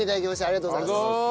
ありがとうございます。